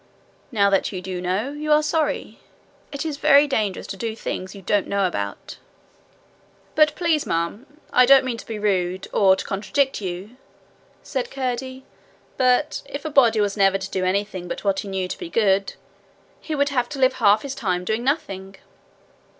Now that you do know, you are sorry. It is very dangerous to do things you don't know about.' 'But, please, ma'am I don't mean to be rude or to contradict you,' said Curdie, 'but if a body was never to do anything but what he knew to be good, he would have to live half his time doing nothing.'